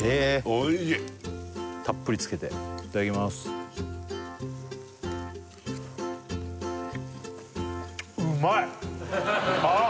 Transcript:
おいしいたっぷりつけていただきますああ